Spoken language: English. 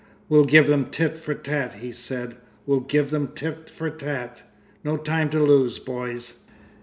'We'll give them tit for tat,' he said. 'We'll give them tit for tat. No time to lose, boys....